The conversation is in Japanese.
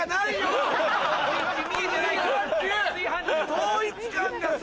統一感がさ。